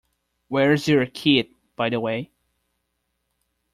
Where’s your kit, by the way?